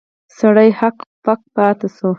سړی هک پاته شو.